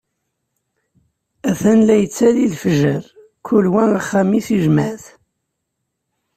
Atan la yettali lefjer, kul wa axxam-is ijmeɛ-it.